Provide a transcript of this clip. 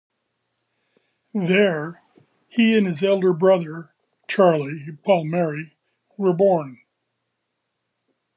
There, he and his elder brother, Charlie Palmieri, were born.